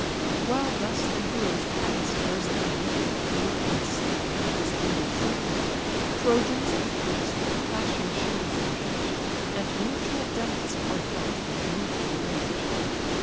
While thus the hero's pious cares attend The cure and safety of his wounded friend, Trojans and Greeks with clashing shields engage, And mutual deaths are dealt with mutual rage.